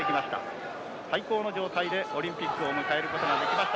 最高の状態でオリンピックを迎える事ができました。